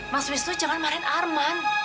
mas wisnu jangan marahin arman